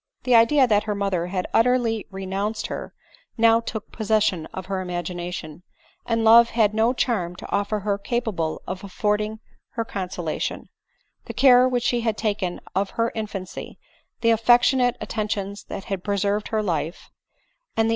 The idea that her mother had utterly renounced her now took possession of her imagination, and love had no charm to offer her capable of affording her consolation ; the care which she had taken of her infancy, the affec tionate attentions that had preserved her life, and the I ADELINE MOWBRAY.